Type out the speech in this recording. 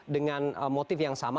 dengan motif yang sama